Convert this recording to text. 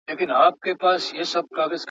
تعليم شوې نجونې اصول مراعتوي.